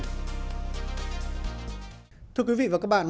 thăm đơn vị quân đội gần biên giới triều tiên